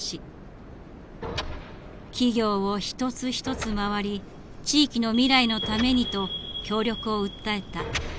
企業を一つ一つ回り「地域の未来のために」と協力を訴えた。